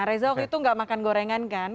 nah reza oki itu nggak makan gorengan kan